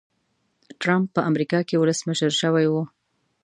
ټرمپ په امریکا کې ولسمشر شوی و.